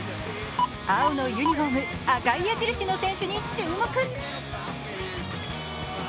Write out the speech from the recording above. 青のユニフォーム、赤い矢印の選手に注目。